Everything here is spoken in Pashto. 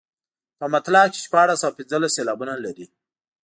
په مطلع کې شپاړس او پنځلس سېلابونه لري.